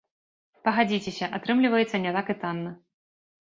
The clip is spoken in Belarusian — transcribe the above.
Пагадзіцеся, атрымліваецца не так і танна.